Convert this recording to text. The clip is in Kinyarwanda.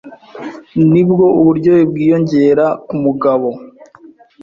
nibwo uburyohe bwiyongera kumugabo